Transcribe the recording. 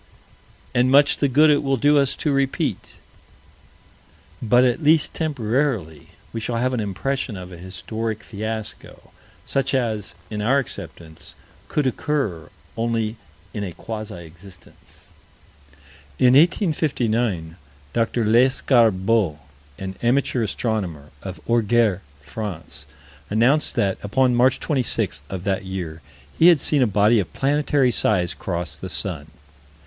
And much the good it will do us to repeat. But at least temporarily we shall have an impression of a historic fiasco, such as, in our acceptance, could occur only in a quasi existence. In 1859, Dr. Lescarbault, an amateur astronomer, of Orgères, France, announced that, upon March 26, of that year, he had seen a body of planetary size cross the sun.